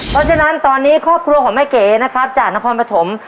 เพราะฉะนั้นตอนนี้ครอบครัวของแม่เก๋นะครับจากนครปฐม